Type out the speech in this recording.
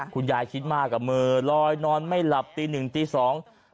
คุณยายคิดมากกับมือลอยนอนไม่หลับตีหนึ่งตีสอง